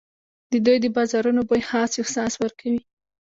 د دوی د بازارونو بوی خاص احساس ورکوي.